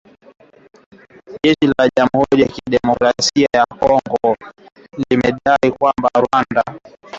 Jeshi la Jamhuri ya Kidemokrasia ya Kongo limedai kwamba Rwanda inawaunga mkono waasi hao kutekeleza mashambulizi dhidi ya kambi za jeshi mashariki mwa nchi hiyo